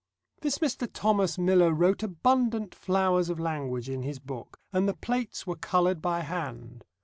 This Mr. Thomas Miller wrote abundant flowers of language in his book, and the plates were coloured by hand.